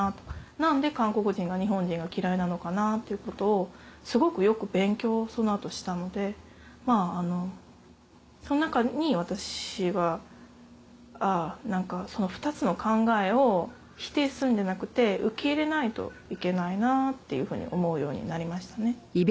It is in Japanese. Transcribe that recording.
何で韓国人が日本人が嫌いなのかなっていうことをすごくよく勉強をその後したのでまぁあのその中に私は何かその２つの考えを否定するんじゃなくて受け入れないといけないなっていうふうに思うようになりましたね。